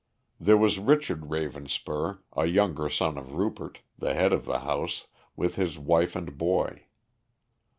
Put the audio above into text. There was Richard Ravenspur, a younger son of Rupert, the head of the house, with his wife and boy.